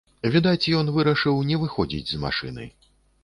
Відаць, ён вырашыў не выходзіць з машыны.